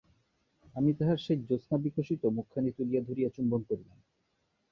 আমি তাহার সেই জ্যোৎস্নাবিকশিত মুখখানি তুলিয়া ধরিয়া চুম্বন করিলাম।